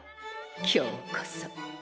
今日こそ！